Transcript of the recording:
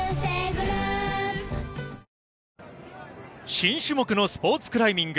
新種目のスポーツクライミング。